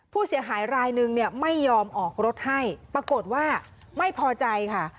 ผู้เสียหายรายนึงเนี่ยไม่ยอมออกรถให้ปรากฏว่าไม่พอใจค่ะ